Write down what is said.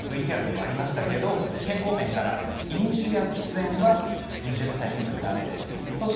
ＶＴＲにもありましたけれども健康面への懸念から飲酒や喫煙は２０歳未満はだめです。